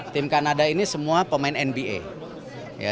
tim kanada ini semua pemain nba